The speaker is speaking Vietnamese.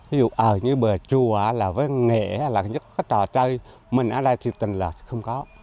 ví dụ như bờ chùa với nghệ là nhất trò chơi mình ở đây thiệt tình là không có